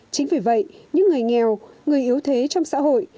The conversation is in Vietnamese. chính vì vậy những người nghèo người yếu thế trong xã hội